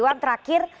oke pak iwan terakhir